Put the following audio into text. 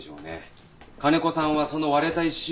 金子さんはその割れた石を。